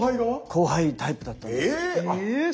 後輩タイプだったんです。